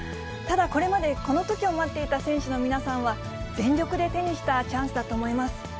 ただこれまで、この時を待っていた選手の皆さんは、全力で手にしたチャンスだと思います。